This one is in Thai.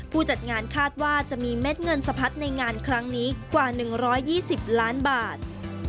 จัดงานคาดว่าจะมีเม็ดเงินสะพัดในงานครั้งนี้กว่า๑๒๐ล้านบาท